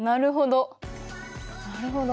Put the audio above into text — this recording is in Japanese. なるほど。